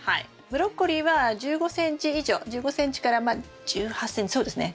ブロッコリーは１５ｃｍ以上１５ｃｍからまあ１８ｃｍそうですね